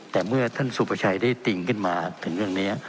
แต่เมื่อท่านสุประชัยได้ติ่งขึ้นมาถึงเรื่องนี้